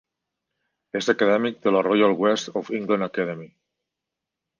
És acadèmic de la Royal West of England Academy.